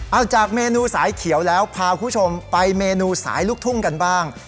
เอาจากเมนูสายเขียวแล้วพาคุณผู้ชมไปเมนูสายลูกทุ่งกันบ้าง